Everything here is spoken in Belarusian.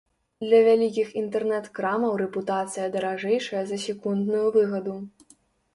Для вялікіх інтэрнэт-крамаў рэпутацыя даражэйшая за секундную выгаду.